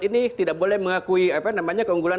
ini tidak boleh mengakui keunggulan